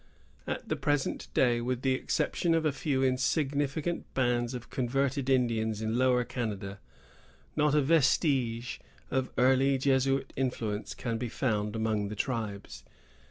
At the present day, with the exception of a few insignificant bands of converted Indians in Lower Canada, not a vestige of early Jesuit influence can be found among the tribes.